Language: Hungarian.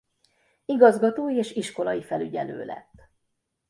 Igazgató és iskolai felügyelő lett.